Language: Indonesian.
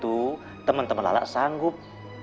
tuh teman teman lala sanggup